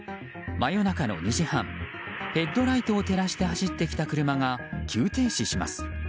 真夜中の２時半ヘッドライトを照らして走ってきた車が急停止します。